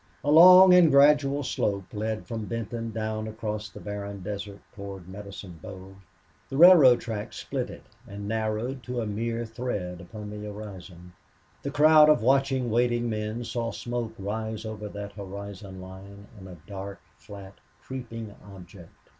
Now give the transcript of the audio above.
A long and gradual slope led from Benton down across the barren desert toward Medicine Bow. The railroad track split it and narrowed to a mere thread upon the horizon. The crowd of watching, waiting men saw smoke rise over that horizon line, and a dark, flat, creeping object.